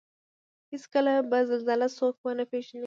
هېڅکله به زلزله څوک ونه وژني